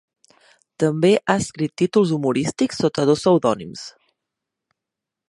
També ha escrit títols humorístics sota dos pseudònims.